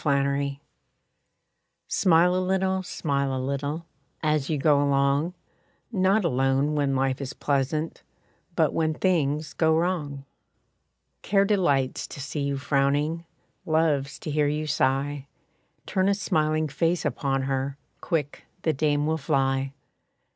=Smiles= Smile a little, smile a little, As you go along, Not alone when life is pleasant, But when things go wrong. Care delights to see you frowning, Loves to hear you sigh; Turn a smiling face upon her, Quick the dame will fly.